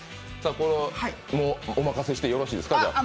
もうお任せしてよろしいですか？